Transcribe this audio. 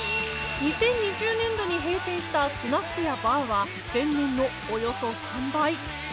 ２０２０年度に閉店したスナックやバーは前年のおよそ３倍